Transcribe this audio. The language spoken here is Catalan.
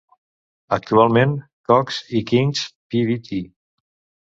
Actualment Cox i Kings Pvt.